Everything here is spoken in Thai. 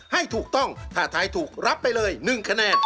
ให้ถูกต้องถ้าทายถูกรับไปเลย๑คะแนน